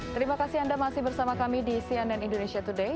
terima kasih anda masih bersama kami di cnn indonesia today